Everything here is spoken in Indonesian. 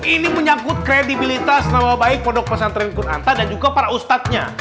ini menyangkut kredibilitas nama baik podok pesantren kun anta dan juga para ustaznya